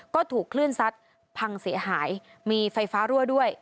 ก็ถูกคลื่นซัดพังเสียหายมีไฟฟ้ารั่วด้วย